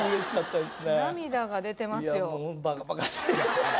涙が出てますよ。